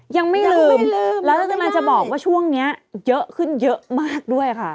ยังไม่ลืมแล้วกำลังจะบอกว่าช่วงนี้เยอะขึ้นเยอะมากด้วยค่ะ